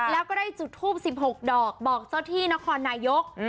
แล้วก็ได้จุดทูป๑๖ดอกบอกเจ้าที่นครนายก